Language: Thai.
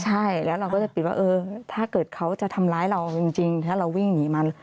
ใช่แล้วเราก็จะปิดว่าเออถ้าเกิดเขาจะทำร้ายเราจริงถ้าเราวิ่งหนีมัน